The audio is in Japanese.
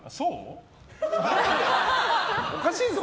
おかしいぞ。